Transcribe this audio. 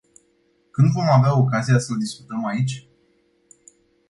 Când vom avea ocazia să-l discutăm aici?